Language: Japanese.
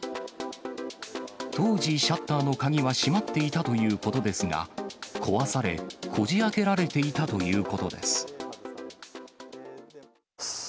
当時、シャッターの鍵は閉まっていたということですが、壊され、こじあけられていたということです。